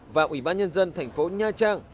và ủy ban nhân dân thành phố nha trang